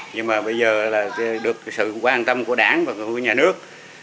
nhưng bây giờ được sự quan tâm của đảng và nhà nước